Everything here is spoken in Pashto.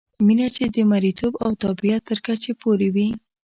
مینه چې د مریتوب او تابعیت تر کچې پورې وي.